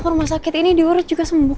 ke rumah sakit ini diurut juga sembuh kok